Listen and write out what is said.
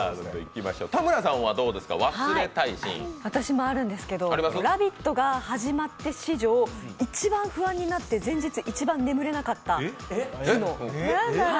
私もあるんですけど「ラヴィット！」が始まって史上一番不安になって前日一番眠れなかった日。